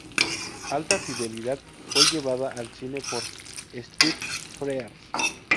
Alta fidelidad fue llevada al cine por Stephen Frears.